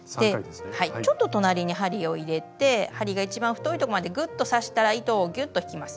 ちょっと隣に針を入れて針が一番太いとこまでぐっと刺したら糸をぎゅっと引きます。